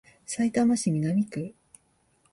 さいたま市南区